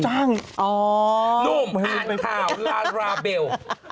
อ่านข่าวลาเลาเบล